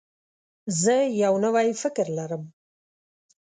زه یو نوی فکر لرم.